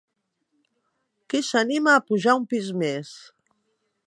Qui s'anima a pujar un pis més?